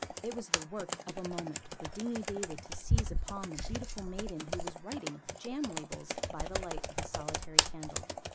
It was the work of a moment for Dingy David to seize upon the beautiful maiden who was writing jam labels, by the light of a solitary candle.